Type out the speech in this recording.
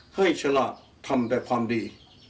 ฉลาดทำแต่ความดี